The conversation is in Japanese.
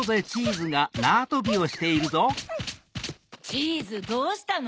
チーズどうしたの？